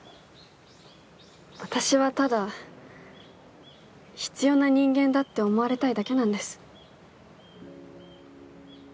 私はただ必要な人間だって思われたいだけなんです。